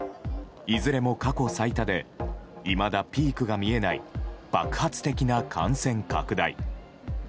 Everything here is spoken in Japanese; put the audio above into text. いずれも過去最多でいまだピークが見えない爆発的な感染拡大。